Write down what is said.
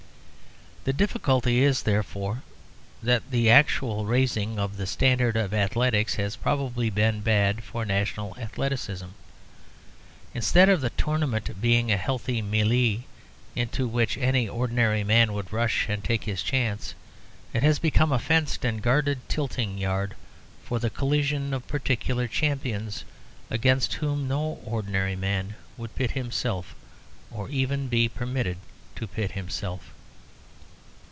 The difficulty is therefore that the actual raising of the standard of athletics has probably been bad for national athleticism. Instead of the tournament being a healthy mêlée into which any ordinary man would rush and take his chance, it has become a fenced and guarded tilting yard for the collision of particular champions against whom no ordinary man would pit himself or even be permitted to pit himself.